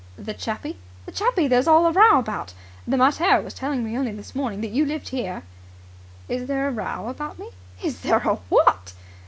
"The Chappie?" "The Chappie there's all the row about. The mater was telling me only this morning that you lived here." "Is there a row about me?" "Is there what!"